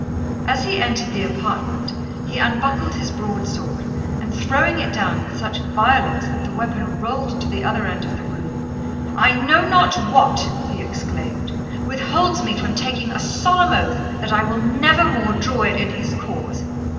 As he entered the apartment he unbuckled his broadsword, and throwing it down with such violence that the weapon rolled to the other end of the room, 'I know not what,' he exclaimed, 'withholds me from taking a solemn oath that I will never more draw it in his cause.